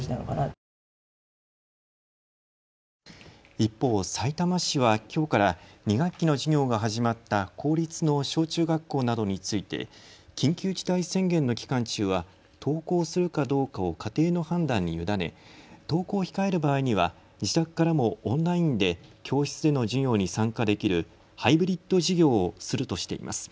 一方、さいたま市はきょうから２学期の授業が始まった公立の小中学校などについて緊急事態宣言の期間中は登校するかどうかを家庭の判断に委ね登校を控える場合には自宅からもオンラインで教室での授業に参加できるハイブリッド授業をするとしています。